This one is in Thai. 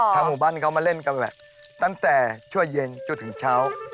หมู่บ้านเขามาเล่นกันแหละตั้งแต่ช่วงเย็นจนถึงเช้า